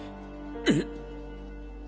えっ。